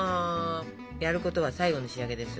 やることは最後の仕上げです。